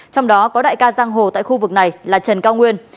trong đó có đại ca giang hồ tại khu vực này là trần cao nguyên